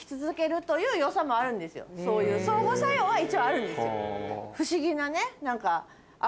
そういう相互作用は一応あるんですよ。